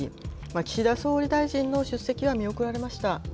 岸田総理大臣の出席は見送られま